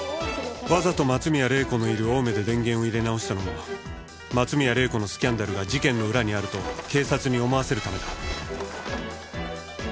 わざと松宮玲子のいる青梅で電源を入れ直したのも松宮玲子のスキャンダルが事件の裏にあると警察に思わせるためだ。